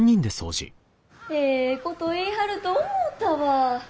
ええこと言いはると思うたわ。